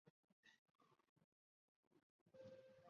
粗体的角色是现时正义联盟活跃成员。